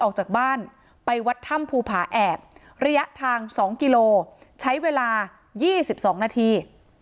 ออกจากบ้านไปวัดถ้ำภูผาแอกระยะทาง๒กิโลใช้เวลา๒๒นาที